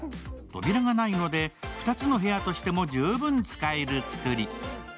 扉がないので２つの部屋としても十分使える作り。